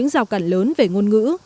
rào cản lớn về ngôn ngữ